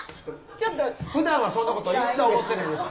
ちょっふだんはそんなこと一切思ってないです